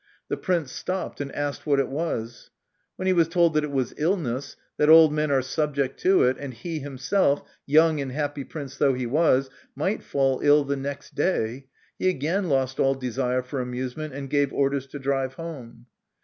The prince stopped and asked what it was. When he was told that it was illness, that old men are subject to it, and he himself, young and happy prince though he was, might fall ill the next day, he again lost all desire for amusement, and gave orders to drive home.